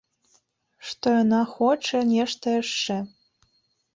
Што яна хоча нешта яшчэ.